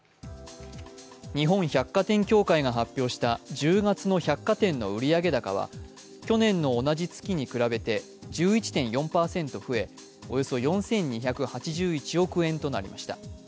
日本百貨店協会が発表した１０月の百貨店の売上高は、去年の同じ月に比べて１１．４％増え、およそ４２８１億円となりました。